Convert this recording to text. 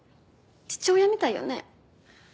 父親みたいよね？